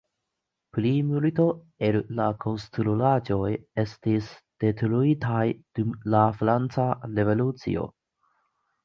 Plimulto el la konstruaĵoj estis detruitaj dum la franca revolucio.